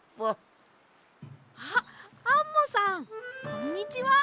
あっアンモさんこんにちは！